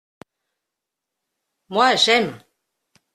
Moi, j’aime.